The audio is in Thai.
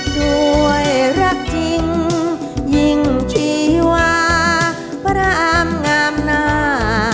ด้วยรักจริงยิ่งชีวาพระรามงามหน้า